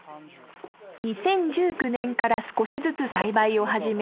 ２０１９年から少しずつ栽培を始め